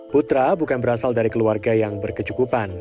putra bukan berasal dari keluarga yang berkecukupan